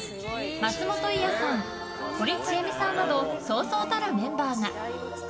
松本伊代さん、堀ちえみさんなどそうそうたるメンバーが。